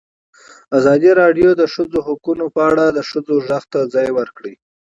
ازادي راډیو د د ښځو حقونه په اړه د ښځو غږ ته ځای ورکړی.